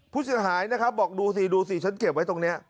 ผู้เสียหายนะครับบอกดูสิดูสิฉันเก็บไว้ตรงนี้